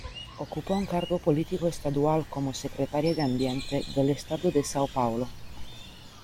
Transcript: Ocupó un cargo político estadual, como Secretaria de Ambiente, del estado de São Paulo.